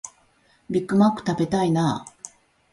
ビッグマック食べたいなあ